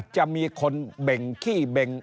จะมีคนเบ่งขี้เบ่ง